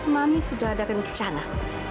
mami sudah ada rencana